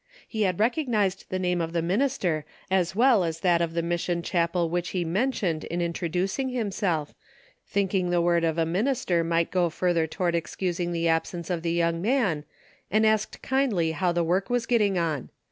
He had recognized the name of the minister as well as that of the mission chapel which he mentioned in introducing himself, thinking the word of a minister might go further toward excusing the absence of the young man, and asked kindly how the work Avas getting on.